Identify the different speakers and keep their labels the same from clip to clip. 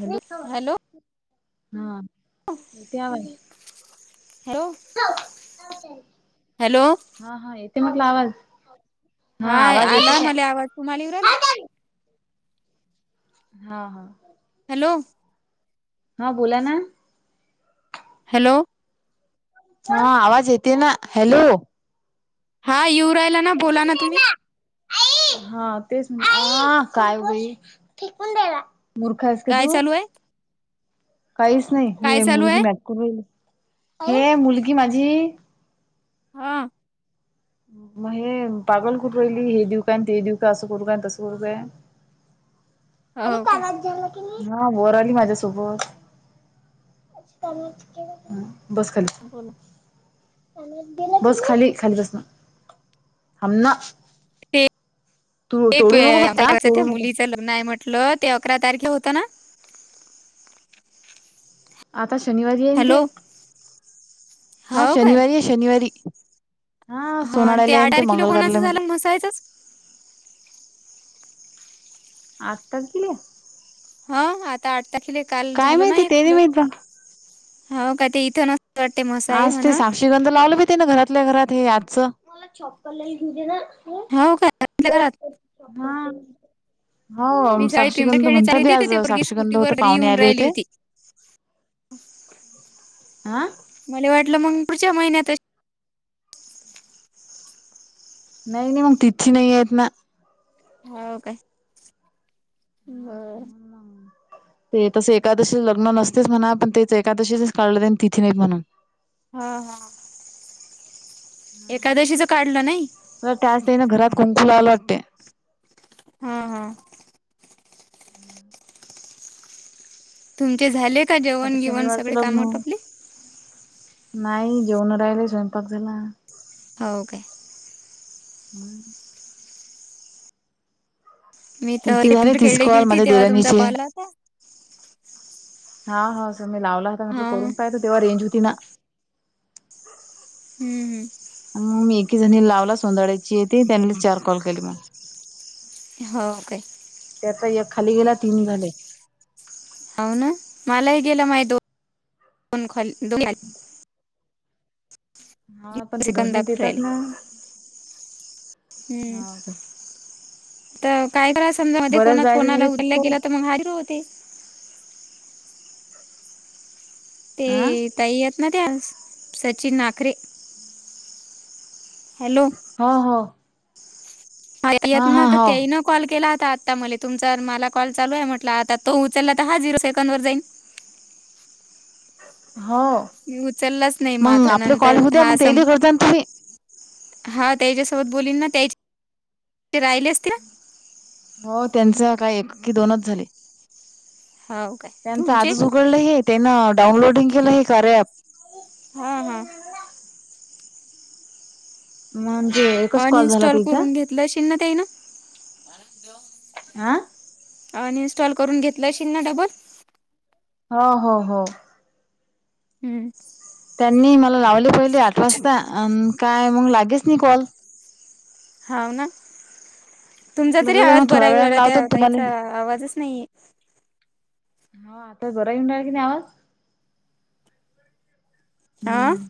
Speaker 1: Hello हा येतय आवाज
Speaker 2: हॅलो
Speaker 1: हा हा येतय म्हंटल आवाज हा आवाज येतय
Speaker 2: आला मला आवाज तुम्हाला येऊ राहिला
Speaker 1: काय? हा हा
Speaker 2: हॅलो
Speaker 1: हा बोला ना
Speaker 2: हॅलो
Speaker 1: हा आवाज येते ना हॅलो
Speaker 2: हा येवु राहिला ना बोला ना तुम्ही
Speaker 1: [unintelligible] हा तेच हा काय बाई‌ [unintelligible] मुूर्ख आहेस काय तु?
Speaker 2: चालू आहे
Speaker 1: काहीच नाही
Speaker 2: काय
Speaker 1: हे
Speaker 2: चालू
Speaker 1: मुलगी
Speaker 2: आहे
Speaker 1: मॅक [unintelligible] कर हे मुलगी माझी
Speaker 2: हा!
Speaker 1: म हे पागल कुठं राहिली हे देऊ का ते देऊ का असं करू काय तस करू काय
Speaker 2: [inaudible]
Speaker 1: आई
Speaker 2: हो काय
Speaker 1: कानात झालं. हा बोराली माझ्यासोबत. बस खाली.
Speaker 2: हा बोला
Speaker 1: बस खाली खाली बस ना हम्म ना. तू
Speaker 2: ते
Speaker 1: तोडू नको फक्त हा
Speaker 2: त्या
Speaker 1: तोडू नको
Speaker 2: मुलीचं लग्न आहे म्हटलं ते अकरा तारीखला होतं ना?
Speaker 1: आता शनिवारी हाय ना ते
Speaker 2: हॅलो
Speaker 1: हा
Speaker 2: हो काय
Speaker 1: शनिवारी आहे शनिवारी हा
Speaker 2: ते
Speaker 1: सोनाड्याला
Speaker 2: आठ
Speaker 1: येते
Speaker 2: तारखेला
Speaker 1: मंगल
Speaker 2: कोणाचं
Speaker 1: कारल्या
Speaker 2: झालं
Speaker 1: मध्ये.
Speaker 2: मसायचंच
Speaker 1: आठ तारखिले
Speaker 2: हो आता आठ तारखेला काल
Speaker 1: काय
Speaker 2: झालं ना
Speaker 1: माहिती ते
Speaker 2: एकल
Speaker 1: नाही माहित बा
Speaker 2: हो का ते इथ ना
Speaker 1: आज ते साक्षीगंध लावलं मी ते ना घरातल्या घरात हे आमचं मला चप्पल लाय घेऊ दे ना.
Speaker 2: खाऊ काय बसले घरात.
Speaker 1: हा!
Speaker 2: मी
Speaker 1: हाऊ
Speaker 2: साडी
Speaker 1: साक्षीगंध
Speaker 2: पिंपरखेडे चालली
Speaker 1: म्हणतात ते
Speaker 2: होती तर
Speaker 1: आज
Speaker 2: पोरगी
Speaker 1: साक्षीगंध
Speaker 2: स्कूटीवर
Speaker 1: होता
Speaker 2: घरी
Speaker 1: पाहुणे
Speaker 2: येऊन
Speaker 1: आले
Speaker 2: राहिली
Speaker 1: होते.
Speaker 2: होती [inaudible]
Speaker 1: आ!
Speaker 2: मल्या वाटलं मग पुढच्या महिन्यातच
Speaker 1: नाही-नाही मग तिची न्हाय नाहीत ना.
Speaker 2: हो काय बरं.
Speaker 1: ते तसं एकादशी लग्न नसतेच म्हणा पण तेच एकादशीचच काढले तेनी तिथी निर्माण
Speaker 2: हा हा एकादशीच काढलं नाही.
Speaker 1: म त्याच तेन घरात कुंकू लावल वाटते.
Speaker 2: हम्म्म हम्म! तुमचे झाले का
Speaker 1: आता
Speaker 2: जेवण गेवण
Speaker 1: शनिवारचं
Speaker 2: सगळे काम
Speaker 1: लग्न
Speaker 2: आटपले?
Speaker 1: नाही जेवन राहिलं स्वयंपाक झाला.
Speaker 2: आवो काय?
Speaker 1: हम्म!
Speaker 2: मी
Speaker 1: हिचे झाले
Speaker 2: [unintelligible]
Speaker 1: तीस
Speaker 2: खेळलेली
Speaker 1: कॉल
Speaker 2: होती
Speaker 1: माझ्या
Speaker 2: तेव्हा तुमचा
Speaker 1: देराणीचे.
Speaker 2: कॉल आला होता.
Speaker 1: हा हा सुमी लावला होता म्हटलं
Speaker 2: हा
Speaker 1: करून पाहयलं तेव्हा रेंज होती ना.
Speaker 2: हम्म हम्म!
Speaker 1: म मी एकीजणी लावला सोंदाड्याची की त्यांनीच चार कॉल केले मला.
Speaker 2: हो काय?
Speaker 1: त्याचा एक खाली गेला तीन झाले.
Speaker 2: हाऊ ना मलाही गेला माझ दोनन खली दोन्ही आली.
Speaker 1: हा पण ते
Speaker 2: सेकंद
Speaker 1: धरणी
Speaker 2: दाखवून
Speaker 1: देतात
Speaker 2: राहिले
Speaker 1: ना.
Speaker 2: हम्म
Speaker 1: हाव काय?
Speaker 2: तर काय कराय समजा मध्ये
Speaker 1: बऱ्याच
Speaker 2: कोणा
Speaker 1: बायका
Speaker 2: फोन
Speaker 1: झाले
Speaker 2: आला
Speaker 1: तीस
Speaker 2: उडला
Speaker 1: कॉल
Speaker 2: गेला तर मग हारीर होते. ते
Speaker 1: आ.
Speaker 2: ताई हायत ना त्या सचिन नाकरे हॅलो!
Speaker 1: हा हो!
Speaker 2: येत
Speaker 1: हा हा
Speaker 2: ना तर
Speaker 1: हो.
Speaker 2: तेही ना [unintelligible] कॉल केला होता आता म तुमचा मला कॉल चालू आहे म्हटला आता तो उचलला तर हा झिरो सेकड वर जाईन.
Speaker 1: हो.
Speaker 2: मी उचललाच नाही म
Speaker 1: मग
Speaker 2: आता
Speaker 1: आपले
Speaker 2: नंतर
Speaker 1: कॉल होऊ द्या
Speaker 2: हा
Speaker 1: मग
Speaker 2: सं.
Speaker 1: तेले करजा ना तुम्ही
Speaker 2: हा त्याच्यासोबत बोललीन ना त्या [inaudible] ते राहिले असत.
Speaker 1: हो त्यांचं काय एक की दोनच झाले.
Speaker 2: हा.
Speaker 1: त्यांचं आजच उघडलं हे त्यांनं डाउनलोडिंग केलं हे करया ऍप.
Speaker 2: हा हा.
Speaker 1: म
Speaker 2: अन इन्स्टॉल करून घेतलं अशिल न तेन. [inaudible]
Speaker 1: आ.
Speaker 2: अन इनस्टॉल करून घेतलं अशिल ना डबल.
Speaker 1: हो हो हो.
Speaker 2: हम्म.
Speaker 1: त्यांनी मला लावले पहिले आठ वाजता आणि काय मग लागेच नाही कॉल.
Speaker 2: हा ना, तुमचा
Speaker 1: म्हटलं
Speaker 2: तरी
Speaker 1: जाऊ दे मग
Speaker 2: आवाज बरा
Speaker 1: थोड्या
Speaker 2: आहे
Speaker 1: वेळाने
Speaker 2: उलट
Speaker 1: लावतो
Speaker 2: त्या
Speaker 1: ना तुम्हाले
Speaker 2: बाईचा आवाजच नाहीये.
Speaker 1: हा, आता बरा येईन की नाही आवाज.
Speaker 2: हा
Speaker 1: हम्म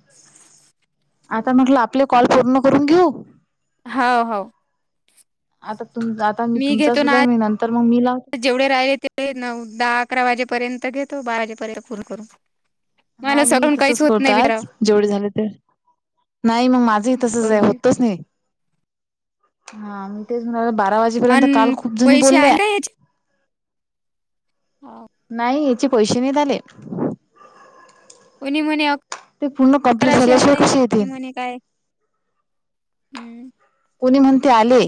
Speaker 1: आता म्हटलं आपले कॉल पूर्ण करून घेऊ.
Speaker 2: हा हो.
Speaker 1: आता तुम, आता मी तुमचा
Speaker 2: घेतो ना
Speaker 1: सुलही मी नंतर मग मी लावु.
Speaker 2: आज जेवढे राहिले तेवढ नऊ, दहा, अकरा वाजेपर्यंत घेतो बारा वाजेपर्यंत पुर्ण करू.
Speaker 1: हा मी तसच करतो आज जेवढे झाले तर. नाही मग माझंही तसंच आहे
Speaker 2: करून घे
Speaker 1: होतंच नाही. हा मी तेच म्हणाले बारा वाजेपर्यंत काल
Speaker 2: आणि
Speaker 1: खूप जणी
Speaker 2: पैसे
Speaker 1: बोल्या.
Speaker 2: आले हो.
Speaker 1: नाही याचे पैसे नाही झाले.
Speaker 2: कोणी म्हन्या.
Speaker 1: ते पूर्ण कम्प्लीट झाल्याशिवाय कसे येतील.
Speaker 2: ती काय? हम्म.
Speaker 1: कोणी म्हणते आले.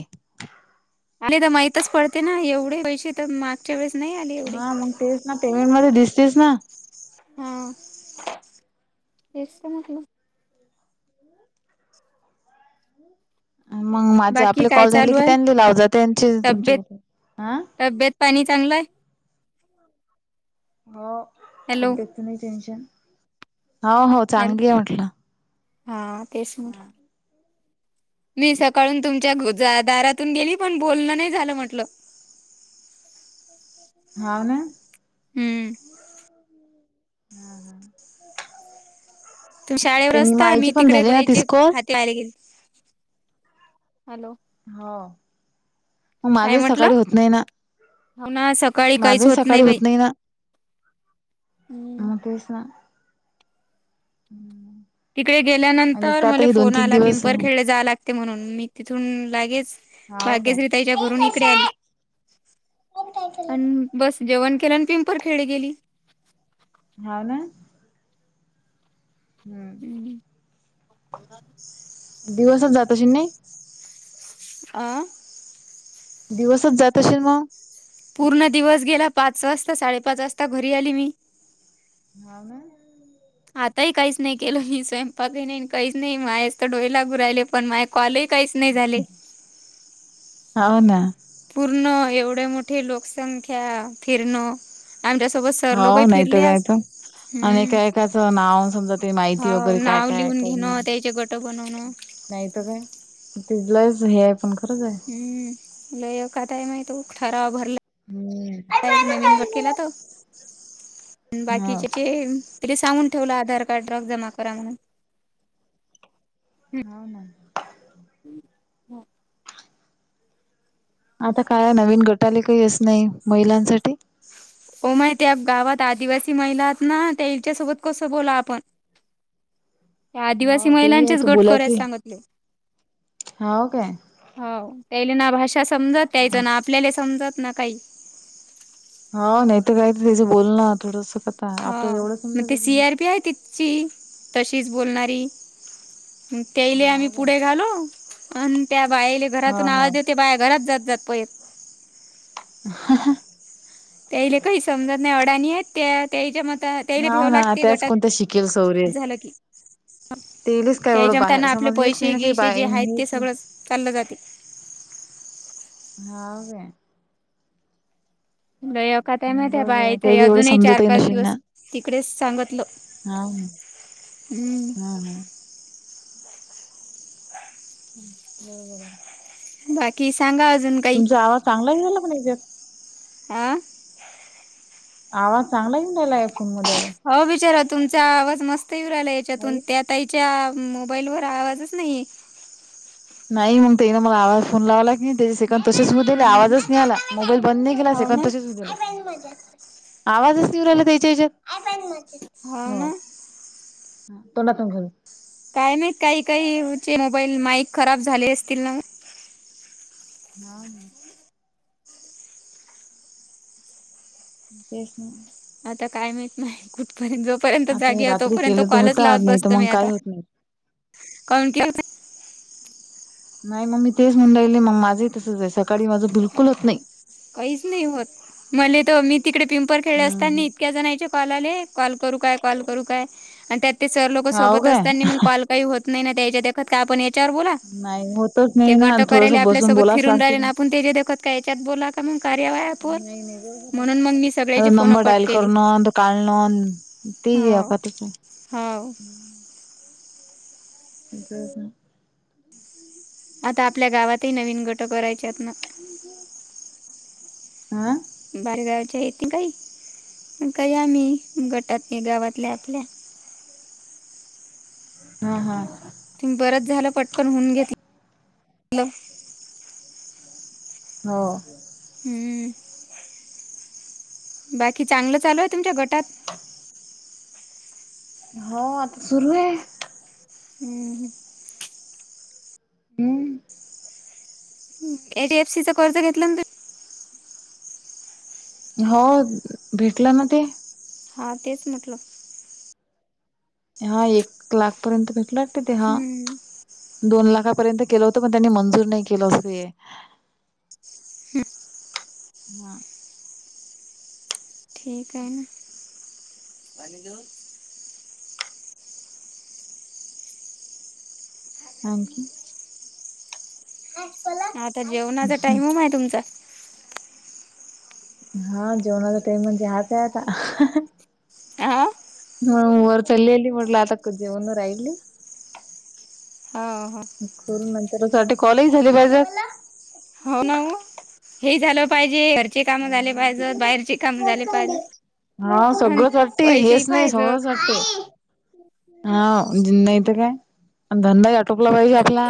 Speaker 2: आणि तर माहितच पडते ना एवढे पैसे तर च्या वेळीस नाही आले. एवढे
Speaker 1: हा मग तेच ना पेमेंट मध्ये दिसतेस ना.
Speaker 2: हा, तेस् तर म्हटलं.
Speaker 1: मग माझे
Speaker 2: बाकी
Speaker 1: आपले
Speaker 2: काय
Speaker 1: कॉल झाले
Speaker 2: चालू
Speaker 1: की
Speaker 2: आहे
Speaker 1: त्यांनी लाव जा त्यांचे
Speaker 2: तब्येत
Speaker 1: तुमच्याकडे, ह.
Speaker 2: तब्येत पाणी चांगलंय?
Speaker 1: हो
Speaker 2: हॅलो
Speaker 1: नाही टेन्शन, हो हो
Speaker 2: हॅलो
Speaker 1: चांगली आहे म्हटलं.
Speaker 2: हा तेच ना. मी सकाळून तुमच्या दारातून गेली पण बोलणं नाही झालं म्हटलं.
Speaker 1: [inaudible] हा ना.
Speaker 2: हम्म.
Speaker 1: हम्म. [unintelligible]
Speaker 2: तु शाळेवर असता मी तिकडे
Speaker 1: ना
Speaker 2: जायचे
Speaker 1: तीस कॉल
Speaker 2: खात त्यालघीन [inaudible] हॅलो!
Speaker 1: हा.
Speaker 2: काय
Speaker 1: माझे
Speaker 2: म्हटलं
Speaker 1: सकाळी होत नाही ना,
Speaker 2: हो ना
Speaker 1: [inaudible]
Speaker 2: सकाळी काहीच
Speaker 1: माझे सकाळी
Speaker 2: बाई
Speaker 1: होत नाही ना.
Speaker 2: हम्म.
Speaker 1: अ तेस ना. हम्.
Speaker 2: तिकडे गेल्यानंतर मला फोन आला
Speaker 1: दिवस
Speaker 2: पिंपरखेडे जा लागते म्हणून मी तिथून लागेच
Speaker 1: हाव काय
Speaker 2: भाग्यश्रीताईच्या घरून इकडे आली. [inaudible]
Speaker 1: पण काय केलं?
Speaker 2: बस जेवण केलं आणि पिंपरखेडे गेली.
Speaker 1: हा ना. हम्.
Speaker 2: हम्म ह्. [inaudible]
Speaker 1: दिवसच जात अशी नाही.
Speaker 2: आ
Speaker 1: दिवसच जात असेल मग?
Speaker 2: पूर्ण दिवस गेला पाच-छहा वाजता, साडेपाच वाजता घरी आली मी.
Speaker 1: [inaudible]
Speaker 2: आताही काहीच नाही केलं मी स्वयंपाक नाही काहीच नाही माये स तर डोळे लागू राहिले पण माय कॉलही काहीच नाही झाले.
Speaker 1: हाव ना.
Speaker 2: पूर्ण एवढे मोठी लोकसंख्या फिरणं. आमच्यासोबत सर
Speaker 1: होव
Speaker 2: लोकही
Speaker 1: नाही तर
Speaker 2: फिरले आज
Speaker 1: कायत आणि
Speaker 2: हम्म.
Speaker 1: एका-एकाचं नाव समजा ते माहिती
Speaker 2: हो
Speaker 1: वगैरे काय
Speaker 2: नाव
Speaker 1: काय? [inaudible]
Speaker 2: लिहून घेणं त्याचे गट बनवणं.
Speaker 1: नाही तर काय, ति लयच जुनी आहे पण खरंच आहे.
Speaker 2: हम् लय आकात आहे माय तो ठराव भरला.
Speaker 1: हम्म
Speaker 2: का एक नवीन गट केला तो.
Speaker 1: हो
Speaker 2: बाकीच्याचे तिले सांगून ठेवलं आधार कार्ड ड्रक जमा करा म्हणून.
Speaker 1: हम्म.
Speaker 2: [inaudible]
Speaker 1: आता काय नवीन गटाले काहीच नाही महिलांसाठी.
Speaker 2: हो माय त्या गावात आदिवासी महिला हात ना त्यायाच्या सोबत कसं बोला आपण. या आदिवासी
Speaker 1: हो तेही आहे
Speaker 2: महिलांचेच
Speaker 1: तू
Speaker 2: गट कराय
Speaker 1: बोलायची
Speaker 2: सांगितले.
Speaker 1: हो काय
Speaker 2: [inaudible] हो त्याले ना भाषा समजत त्यायचं ना आपल्याला समजत ना काही.
Speaker 1: हाव नाही तर काय तर त्याचं बोल ना थोडस कता
Speaker 2: हा
Speaker 1: आपल्याला एवढं
Speaker 2: मग ते
Speaker 1: समजतच नाही
Speaker 2: सियार पी आहे तिथ ची तशीच बोलणारी त्यायले आम्ही
Speaker 1: हो काय
Speaker 2: पुढे घालु. आन त्या बायाले
Speaker 1: हो
Speaker 2: घरातून
Speaker 1: हो
Speaker 2: आवाज येते बाय घरात जात-जात पयत.
Speaker 1: ह ह.
Speaker 2: त्याइले काही समजत नाही अडाणी आहेत. त्या ताईच्या मत त्याहीला भेव
Speaker 1: हो ना
Speaker 2: लागते
Speaker 1: त्याच कोणत्या शिकेल
Speaker 2: गटात
Speaker 1: सवरेल
Speaker 2: झालं की.
Speaker 1: तेलेच काय एवढं बाहेर
Speaker 2: त्याच्यामताना आपले
Speaker 1: समज हेच नाही ना काही बा
Speaker 2: पैसे-गिसे जे
Speaker 1: हेच
Speaker 2: आहेत ते
Speaker 1: नाही
Speaker 2: सगळं चाललं जाते.
Speaker 1: हाव काय?
Speaker 2: गया काय ते माहित आहे
Speaker 1: बरोबर
Speaker 2: बाई
Speaker 1: ते
Speaker 2: इथं
Speaker 1: बी एवढं
Speaker 2: अजूनही
Speaker 1: समजतही
Speaker 2: चार-पाच
Speaker 1: नशील ना.
Speaker 2: दिवस तिकडेच सांगतलं.
Speaker 1: हा
Speaker 2: [inaudible] हम्म.
Speaker 1: हा हा. [inaudible]
Speaker 2: बाकी सांगा अजून काही
Speaker 1: तुमचा आवाज चांगला यायला लागलाय की.
Speaker 2: आ.
Speaker 1: आवाज चांगला येेऊन राहिलाय फोन मध्ये. आता
Speaker 2: हो बिचारा तुमचा आवाज मस्त येऊ राहिला याच्यातून
Speaker 1: नाही.
Speaker 2: त्यात ताई च्या मोबाईलवरर आवाजच नाही.
Speaker 1: नाही मग त्यान मला फोन लावला की त्याच सक तसेच होऊ दिले आवाजच नाही आला. मोबाईल बंद नाही केला.
Speaker 2: हो
Speaker 1: सेकन
Speaker 2: ना
Speaker 1: तसेच होऊ दिले. आवाजच नाही येऊ राहिला त्यायच्या याच्यात. हो. ह तो नाातन घर [unintelligible]
Speaker 2: काय माहीत काही काहीचे मोबाईल माईक खराब झाले असतील ना मग.
Speaker 1: हा. तेच ना.
Speaker 2: आता काय माहत नाही माही कुठपर्यंत. जोपर्यंत
Speaker 1: आता हे
Speaker 2: जागीय
Speaker 1: रात्री
Speaker 2: तोपर्यंत
Speaker 1: केलं तर
Speaker 2: कॉलच
Speaker 1: होतात
Speaker 2: लावत
Speaker 1: नाही तर
Speaker 2: बसतो
Speaker 1: मग
Speaker 2: मी
Speaker 1: काही
Speaker 2: आता.
Speaker 1: होत नाही.
Speaker 2: कामुन केल नाही?
Speaker 1: नाही मग मी तेच म्हणूनरायले. मग माझंही तसंचे. सकाळी माझं बिलकुल होत नाही.
Speaker 2: काहीच नाही होत. मलेत मी तिकडे पिंपल खेडेले
Speaker 1: हम्म.
Speaker 2: असतानी इतके जनांचे कॉल आले, कॉल करू काय कॉल करू काय? अन त्यात ते सर लोक
Speaker 1: हाव
Speaker 2: सोबत
Speaker 1: काय
Speaker 2: असताना मग कॉल काही होत नाही ना. त्याच्या देखत काय आपण त्यावर बोला.
Speaker 1: नाही होतच
Speaker 2: ते
Speaker 1: नाही ना
Speaker 2: गट
Speaker 1: थोडस
Speaker 2: करायले आपल्या
Speaker 1: बसून
Speaker 2: सोबत
Speaker 1: बोलाच
Speaker 2: फिरून
Speaker 1: लागते.
Speaker 2: राहिलेन. आपण तेच्यादेखत काय याच्यात बोला का मग कार्यावाय ॲपवर
Speaker 1: नाही नाही बरोबरे
Speaker 2: म्हणून मग
Speaker 1: ना.
Speaker 2: मी
Speaker 1: आता
Speaker 2: सगळ्याचे फोन
Speaker 1: नंबर
Speaker 2: कट
Speaker 1: डायल
Speaker 2: केले
Speaker 1: करणन तो काढण. तेही एकातचे.
Speaker 2: हा.
Speaker 1: अ [unintelligible]
Speaker 2: आता आपल्या गावातही नवीन गटक करायचेत ना.
Speaker 1: अ.
Speaker 2: बाारगावच्यायेत काही. काही आम्ही गटात गावातल्या आपल्या.
Speaker 1: हा हा.
Speaker 2: तुम्ही बरंच झालं पटकन होऊन घेतलं.
Speaker 1: हो.
Speaker 2: हम्म. बाकी चांगलं चालूये तुमच्या गटात?
Speaker 1: हो आता सुरूये.
Speaker 2: हम्म हम्म.
Speaker 1: हम्म.
Speaker 2: ए डी एफ सी च कर्ज घेतला तुम्ही?
Speaker 1: हो भेटलं ना ते.
Speaker 2: हा तेच म्हटलं.
Speaker 1: हा एक लाख पर्यंत भेटला वाटत ते. हा.
Speaker 2: हम्म.
Speaker 1: दोन लाखापर्यंत केलं होतं पण त्यांनी मंजूर नाही केलं असय.
Speaker 2: हम.
Speaker 1: हा.
Speaker 2: ठीक आहे ना.
Speaker 1: थाम की. अस [unintelligible]
Speaker 2: आता जेवणाचा टाईम ओ माय तुमचा?
Speaker 1: हा जेवणाचा टईम म्हणजे हाचे आता.
Speaker 2: हां
Speaker 1: ह वर चललेली म्हणल आता [unintelligible] न राहीले.
Speaker 2: हो हो
Speaker 1: खर नंतर असं वाटतं कॉलज झाले बज
Speaker 2: हो ना ओ हे झालं पाहिजे चे काम झाले पाहिजे. ‌बाहेरचे काम झाले पाहिजे.
Speaker 1: हां सगळं हट्टी हेच नाही
Speaker 2: पाहिजेत
Speaker 1: सगळच हा नाही तर काय धंदाही आटोपला पाहिजे आपला.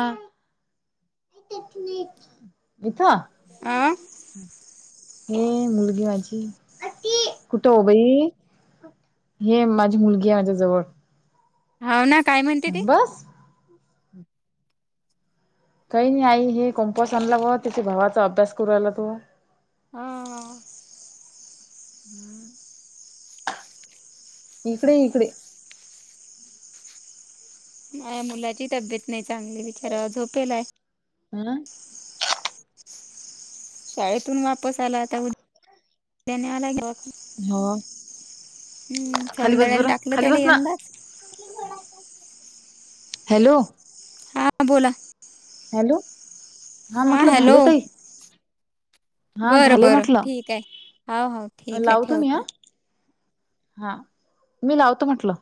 Speaker 1: इथं
Speaker 2: आं
Speaker 1: हे मुलगी माझी कुठं हो बाई? हे माझी मुलगी आली माझ्याजवळ.
Speaker 2: हो ना काय म्हणते ती?
Speaker 1: बस काही नाही आई हे कंपॉस आणल्यामुळे व त्याच्या भावाचा अभ्यास करू रहायला तो.
Speaker 2: हां हां
Speaker 1: [inaudible] इकडे ये इकडे.
Speaker 2: माझ्या मुलाची तब्येत नाही चांगली बिचारा झोपेलाय.
Speaker 1: हं
Speaker 2: शाळेतून वापस आला आता उद आला घेऊन.
Speaker 1: हो
Speaker 2: हम्म
Speaker 1: खाली बस
Speaker 2: सौंदड्याला
Speaker 1: बरं
Speaker 2: टाकलं
Speaker 1: खाली
Speaker 2: त्याला
Speaker 1: बस ना
Speaker 2: यंदा.
Speaker 1: हॅलो
Speaker 2: हां बोला
Speaker 1: हॅलो हा म्हटलं झाले ताई. हां
Speaker 2: बरं
Speaker 1: झाले
Speaker 2: बरं
Speaker 1: म्हटलं
Speaker 2: ठीक आहे हो हो ठीक आहे
Speaker 1: लावतो मी
Speaker 2: ठेवतो
Speaker 1: हा. हां मी लावतो म्हटलं.